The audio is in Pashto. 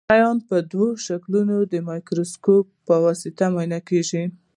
شیان په دوه شکلو د مایکروسکوپ په واسطه معاینه کیږي.